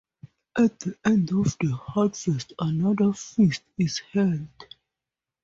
At the end of the harvest, another feast is held.